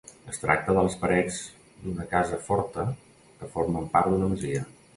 Es tracta de les parets d'una casa forta que formen part d'una masia.